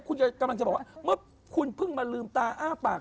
กำลังจะบอกว่าคุณเพิ่งมาลืมตาอ้าปาก